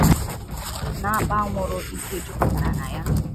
na àkpà anwụrụ ike jupùtara na ya